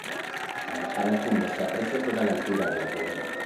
Al bajar al fondo se aprecia toda la altura de la bóveda.